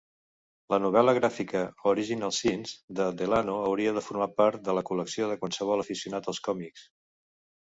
La novel·la gràfica "Originals Sins" de Delano hauria de formar part de la col·lecció de qualsevol aficionat als còmics.